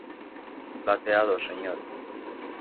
plateados, señor.